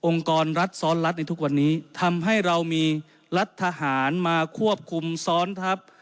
กรรัฐซ้อนรัฐในทุกวันนี้ทำให้เรามีรัฐทหารมาควบคุมซ้อนทัพ